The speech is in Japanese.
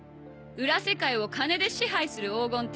裏世界を金で支配する黄金帝。